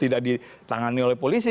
tidak ditangani oleh polisi